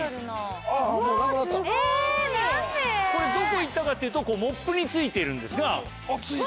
どこ行ったかというとモップに付いているんですが。